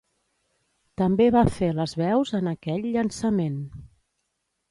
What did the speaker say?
També va fer les veus en aquell llançament.